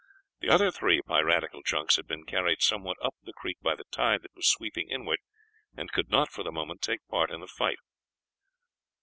The other three piratical junks had been carried somewhat up the creek by the tide that was sweeping inward, and could not for the moment take part in the fight.